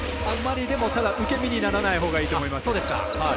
あんまり、ただ、受け身にならないほうがいいと思います。